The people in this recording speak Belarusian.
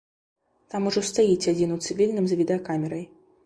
Там ужо стаіць адзін у цывільным з відэакамерай.